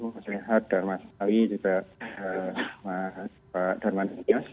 mas yohat darman tawi juga pak darman